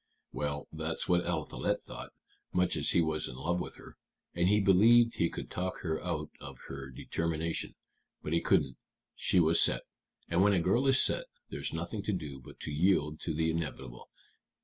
"Well, that's what Eliphalet thought, much as he was in love with her. And he believed he could talk her out of her determination. But he couldn't. She was set. And when a girl is set, there's nothing to do but to yield to the inevitable.